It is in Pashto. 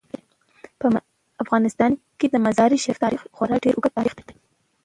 په افغانستان کې د مزارشریف تاریخ خورا ډیر اوږد تاریخ دی.